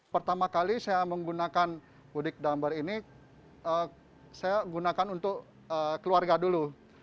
pertama kali saya menggunakan mudik gambar ini saya gunakan untuk keluarga dulu